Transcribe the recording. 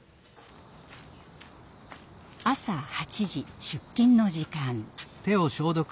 朝８時出勤の時間。